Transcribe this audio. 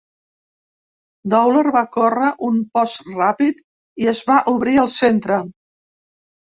Dowler va córrer un post ràpid i es va obrir al centre.